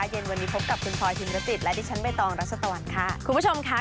เย็นวันนี้พบกับคุณพลอยพิมรจิตและดิฉันใบตองรัชตะวันค่ะคุณผู้ชมค่ะ